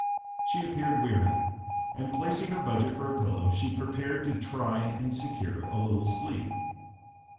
She appeared weary, and placing her budget for a pillow, she prepared to try and secure a little sleep.